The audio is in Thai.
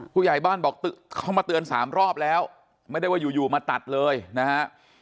ผู้ใหญ่บ้านบอกเขามาเตือน๓รอบแล้วไม่ได้ว่าอยู่มาตัดเลยนะฮะ